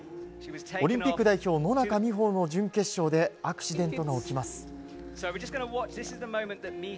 オリンピック代表野中生萌の準決勝でアクシデントが起きます。